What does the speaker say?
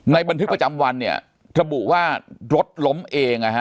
บันทึกประจำวันเนี่ยระบุว่ารถล้มเองนะฮะ